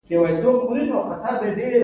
کله چې مالکیت خصوصي وي نو ویش نابرابر وي.